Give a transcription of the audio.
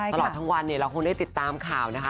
ตลอดทั้งวันเนี่ยเราคงได้ติดตามข่าวนะคะ